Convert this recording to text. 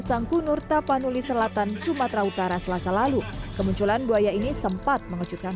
sangkunur tapanuli selatan sumatera utara selasa lalu kemunculan buaya ini sempat mengejutkan